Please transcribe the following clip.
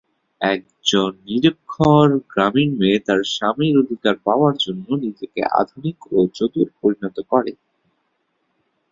একজন নিরক্ষর গ্রামীণ মেয়ে তার স্বামীর অধিকার পাওয়ার জন্য নিজেকে আধুনিক ও চতুর পরিণত করে।